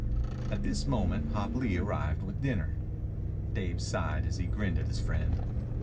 At this moment Hop Lee arrived with dinner. Dave sighed as he grinned at his friend.